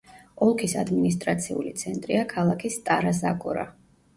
ოლქის ადმინისტრაციული ცენტრია ქალაქი სტარა-ზაგორა.